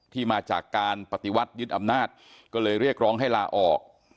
มาจากการปฏิวัติยึดอำนาจก็เลยเรียกร้องให้ลาออก